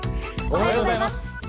おはようございます。